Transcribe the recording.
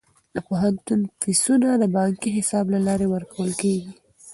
د پوهنتون فیسونه د بانکي حساب له لارې ورکول کیږي.